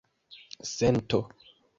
sento